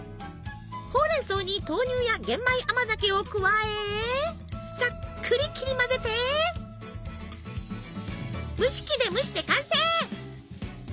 ほうれん草に豆乳や玄米甘酒を加えさっくり切り混ぜて蒸し器で蒸して完成！